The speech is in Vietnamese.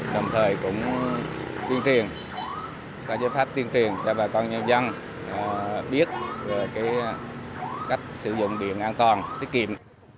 đồng thời cũng tiên truyền các giải pháp tiên truyền cho bà con nhân dân biết cách sử dụng điện an toàn tiết kiệm